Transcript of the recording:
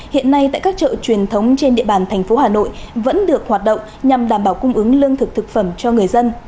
hiện nay tại các chợ truyền thống trên địa bàn thành phố hà nội vẫn được hoạt động nhằm đảm bảo cung ứng lương thực thực phẩm cho người dân